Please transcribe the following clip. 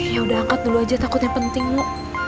ya udah angkat dulu aja takut yang pentingmu